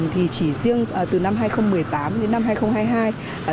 thì chỉ riêng từ năm hai nghìn một mươi tám đến năm hai nghìn hai mươi hai